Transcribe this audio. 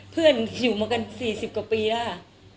เพื่อนอยู่มากัน๔๐กว่าปีแล้วค่ะ